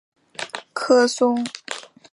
科松河畔瓦讷人口变化图示